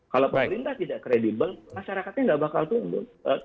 kalau pemerintah tidak kredibel masyarakatnya nggak bakal tumbuh